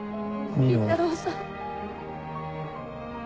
倫太郎さん。